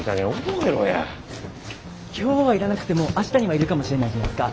今日はいらなくても明日にはいるかもしれないじゃないですか。